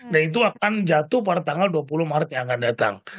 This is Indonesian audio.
dan itu akan jatuh pada tanggal dua puluh maret yang akan datang